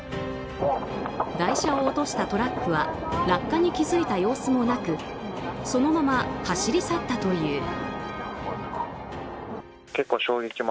台車を落としたトラックは落下に気付いた様子もなくそのまま走り去ったという。